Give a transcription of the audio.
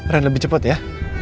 ren lebih cepat ya